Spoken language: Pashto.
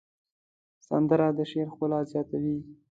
سندره د شعر ښکلا زیاتوي